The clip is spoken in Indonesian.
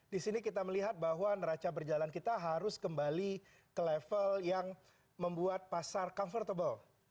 di sini kita melihat bahwa neraca berjalan kita harus kembali ke level yang membuat pasar comfortable